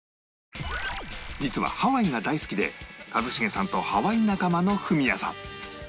実はハワイが大好きで一茂さんとハワイ仲間のフミヤさん